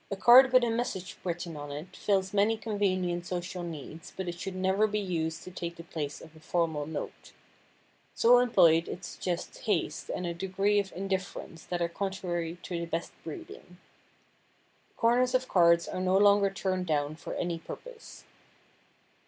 A card with a message written on it fills many convenient social needs but it should never be used to take the place of a formal note. So employed it suggests haste and a degree of indifference that are contrary to the best breeding. The corners of cards are no longer turned down for any purpose.